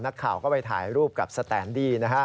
นักข่าวก็ไปถ่ายรูปกับสแตนดี้นะฮะ